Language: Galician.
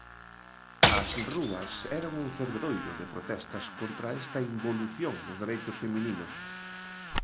As rúas eran un fervedoiro de protestas contra esta involución nos dereitos femininos.